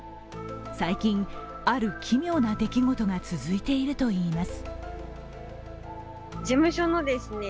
最近、ある奇妙な出来事が続いているといいます。